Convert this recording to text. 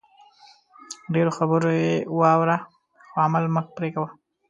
ډېرو خبرې واوره خو عمل مه پرې کوئ